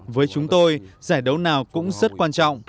với chúng tôi giải đấu nào cũng rất quan trọng